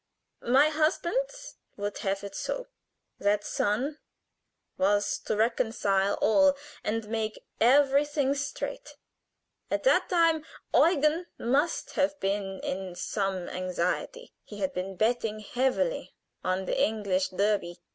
My husband would have it so. That son was to reconcile all and make everything straight. At that time Eugen must have been in some anxiety: he had been betting heavily on the English Derby.